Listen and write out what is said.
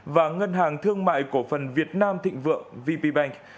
và ngân hàng thương mại cổ phần việt nam thịnh vượng vp bank